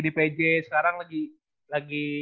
di pj sekarang lagi